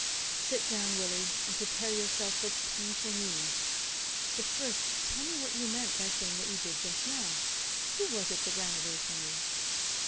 "Sit down, Willie, and prepare yourself for painful news. But first tell me what you meant by saying what you did just now, who was it that ran away from you?"